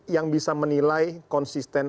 yang bisa menilai konsisten